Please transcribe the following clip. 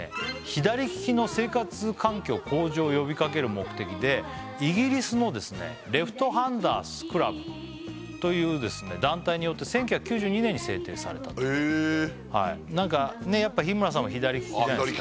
左利きの生活環境向上を呼びかける目的でイギリスのＬｅｆｔ−ＨａｎｄｅｒｓＣｌｕｂという団体によって１９９２年に制定されたと何かねやっぱ日村さんも左利きじゃないですか